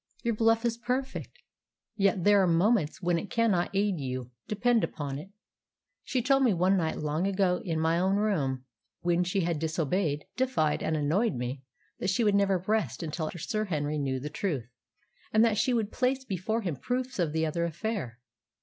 Your bluff is perfect, yet there are moments when it cannot aid you, depend upon it. She told me one night long ago, in my own room, when she had disobeyed, defied, and annoyed me, that she would never rest until Sir Henry knew the truth, and that she would place before him proofs of the other affair.